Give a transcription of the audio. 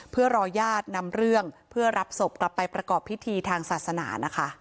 เพื่อรอญาตินำเรื่องเพื่อรับศพกลับไปประกอบพิธีทางศาสนานะคะ